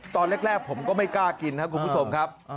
ตอนแรกผมก็ไม่กล้ากินครับคุณผู้ชมครับ